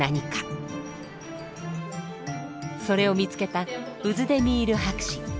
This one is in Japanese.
それを見つけたウズデミール博士。